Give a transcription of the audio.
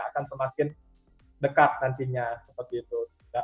akan semakin dekat nantinya